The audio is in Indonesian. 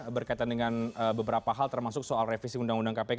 berkaitan dengan beberapa hal termasuk soal revisi undang undang kpk